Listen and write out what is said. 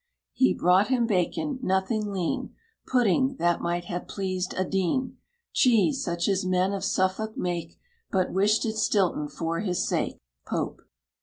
He brought him bacon (nothing lean); Pudding, that might have pleased a dean; Cheese, such as men of Suffolk make, But wished it Stilton for his sake. POPE.